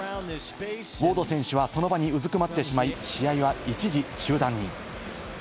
ウォード選手はその場にうずくまってしまい、試合は一時中断に。